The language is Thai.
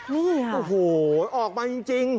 นี่ค่ะโอ้โหออกมาจริง